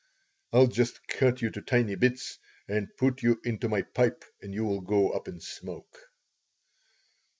"I'll just cut you to tiny bits and put you into my pipe and you'll go up in smoke."